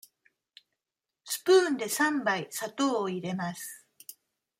スプーンで三杯砂糖を入れます。